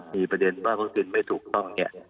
มีประเด็นว่าวัคซีนไม่ถูกต้องเนี่ย